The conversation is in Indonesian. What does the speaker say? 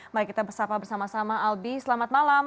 mari kita bersama sama albi selamat malam